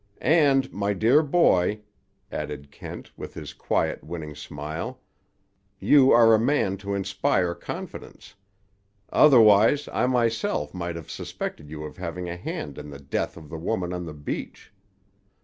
And, my dear boy," added Kent, with his quiet winning smile, "you are a man to inspire confidence. Otherwise, I myself might have suspected you of having a hand in the death of the woman on the beach."